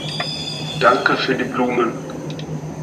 Danke für die Blumen.